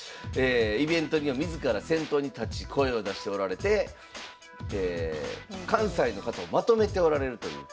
イベントには自ら先頭に立ち声を出しておられて関西の方をまとめておられるという。